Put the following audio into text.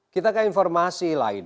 kita ke informasi lain